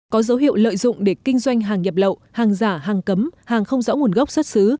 có dấu hiệu lợi dụng để kinh doanh hàng nhập lậu hàng giả hàng cấm hàng không rõ nguồn gốc xuất xứ